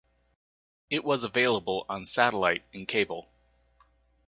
It was available on satellite and cable.